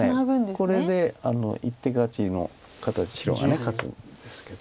これで１手勝ちの形白が勝つんですけど。